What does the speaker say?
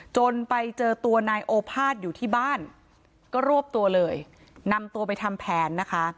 จนไปเจอตัวนายโอภาษอยู่ที่บ้านก็รวบตัวเลยนำตัวไปทำแผนนะคะ